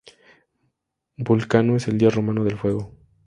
Vulcano es el dios romano del fuego.